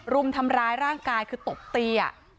รุมทำร้ายร่างกายคือตบตี